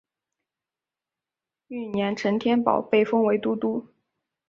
翌年陈添保被封为都督。